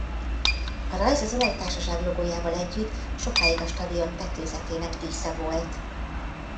A rajz az olajtársaság logójával együtt sokáig a stadion tetőzetének dísze volt.